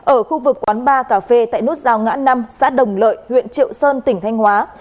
ở khu vực quán bar cà phê tại nốt rào ngã năm xã đồng lợi huyện triệu sơn tỉnh thanh hóa